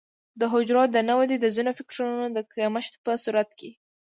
د حجرو د نه ودې د ځینو فکټورونو د کمښت په صورت کې.